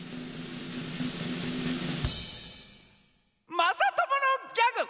まさとものギャグ「